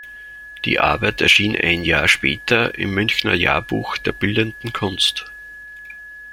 Die Arbeit erschien ein Jahr später im "Münchner Jahrbuch der bildenden Kunst".